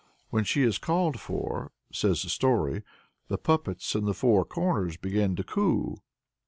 When she is called for says the story the puppets in the four corners begin to coo.